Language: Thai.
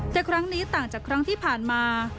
แต่ครั้งนี้ต่างจากครั้งที่ผ่านมา